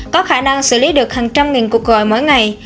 có khả năng xử lý được hàng trăm nghìn cuộc gọi mỗi ngày